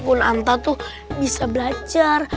kunungan takut tuh bisa belajar